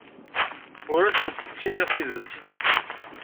Ur asent-ttiniɣ tidet.